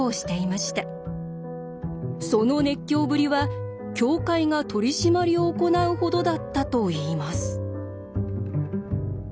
その熱狂ぶりは教会が取り締まりを行うほどだったといいます。